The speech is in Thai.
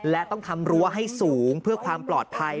และต้องทำรั้วให้สูงเพื่อความปลอดภัย